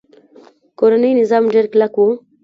کورنۍ نظام ډیر کلک و